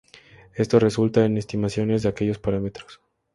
Esto resulta en estimaciones de aquellos parámetros.